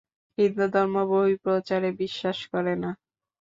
হিন্দুধর্ম বহিঃপ্রচারে বিশ্বাস করে না।